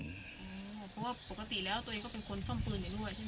เพราะว่าปกติแล้วตัวเองก็เป็นคนซ่อมปืนอยู่ด้วยใช่ไหม